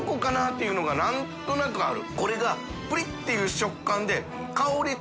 ていうのがなんとなくある。